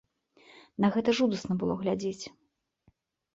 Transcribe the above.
На гэта жудасна было глядзець.